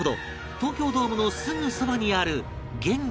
東京ドームのすぐそばにある源覚寺